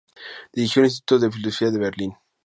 Dirigió el Instituto de Fisiología de Berlín.